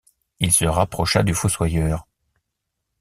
Il se rapprocha du fossoyeur.